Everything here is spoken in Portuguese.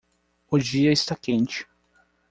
O dia está quente